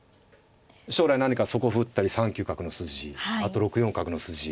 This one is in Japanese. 将来何か底歩打ったり３九角の筋あと６四角の筋。